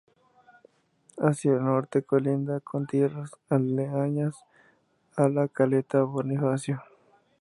Hacia el norte colinda con tierras aledañas a la Caleta Bonifacio.